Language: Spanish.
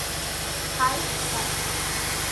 Hide Sato